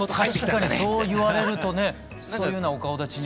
確かにそう言われるとねそういうようなお顔だちにも。